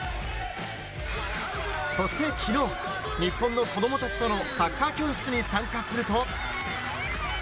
そしてきのう、日本の子どもたちとのサッカー教室に参加すると。